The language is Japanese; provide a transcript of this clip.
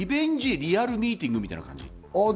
リアルミーティングって感じ。